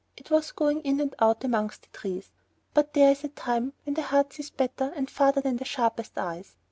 It was going in and out amongst the trees. But there is a time when the heart sees better and farther than the sharpest eyes.